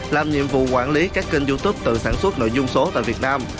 làm nhiệm vụ quản lý các kênh youtube tự sản xuất nội dung số tại việt nam